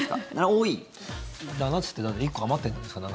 ７つってだって１個余ってるじゃないですか。